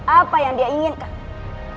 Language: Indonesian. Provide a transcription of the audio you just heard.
apa yang dia inginkan